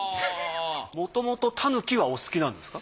もともと狸はお好きなんですか？